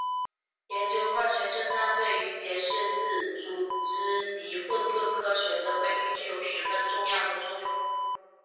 研究化学振荡对于解释自组织及混沌科学的规律具有十分重要的作用。